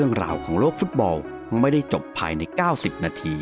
สวัสดีครับ